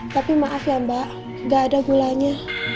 tapi maaf ya mbak gak ada gulanya